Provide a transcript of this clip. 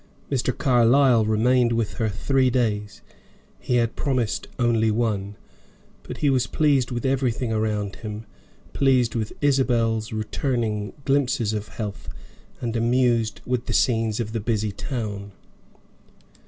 Mr. Carlyle remained with her three days; he had promised only one, but he was pleased with everything around him, pleased with Isabel's returning glimpses of health, and amused with the scenes of the busy town.